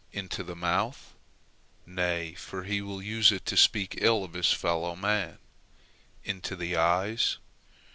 Into the mouth? Nay, for he will use it to speak ill of his fellow man. Into the eyes?